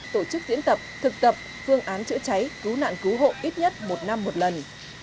tổ chức diễn tập thực tập phương án chữa cháy cứu nạn cứu hộ ít nhất một năm một lần